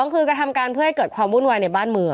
คือกระทำการเพื่อให้เกิดความวุ่นวายในบ้านเมือง